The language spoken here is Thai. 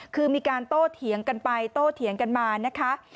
คือมีการโต้เถียงกันไปโต้เถียงกันมานะคะ